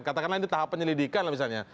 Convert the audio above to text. katakanlah ini tahap penyelidikan lah misalnya